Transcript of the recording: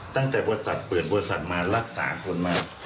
ตั้งแต่บริษัทเปิดบริษัทมารักษาคนมา